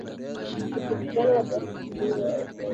ya ushirikiano na taasisi hiyo ya Umoja